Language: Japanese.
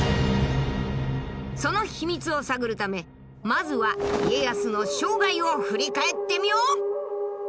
その秘密を探るためまずは家康の生涯を振り返ってみよう。